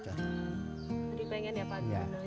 jadi pengen ya pak gunain lagi ya